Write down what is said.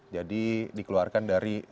jadi dikeluarkan dari